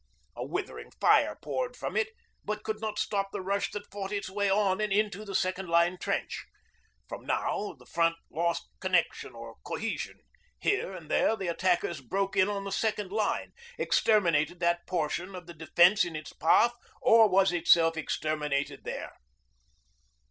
A withering fire poured from it but could not stop the rush that fought its way on and into the second line trench. From now the front lost connection or cohesion. Here and there the attackers broke in on the second line, exterminated that portion of the defence in its path or was itself exterminated there.